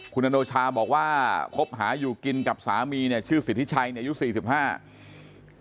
คุณอนโดชาบอกว่าคบหาอยู่กินกับสามีเนี่ยชื่อสิทธิชัยเนี่ยยุค๔๕